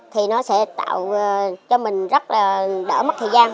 thì nó sẽ tạo cho mình rất là đỡ mất thời gian